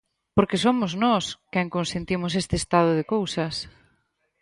Porque somos nós quen consentimos este estado de cousas.